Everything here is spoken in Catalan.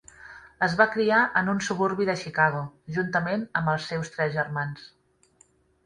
Es va criar en un suburbi de Chicago, juntament amb els seus tres germans.